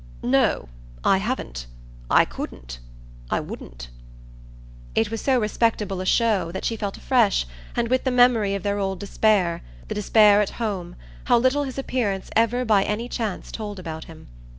"No I haven't. I couldn't. I wouldn't." It was so respectable a show that she felt afresh, and with the memory of their old despair, the despair at home, how little his appearance ever by any chance told about him.